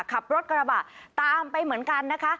ขับรถกระบะตามไปเหมือนกันนะคะ